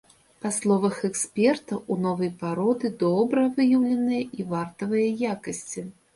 Па словах эксперта, у новай пароды добра выяўленыя і вартавыя якасці.